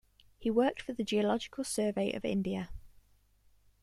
He worked for the Geological Survey of India.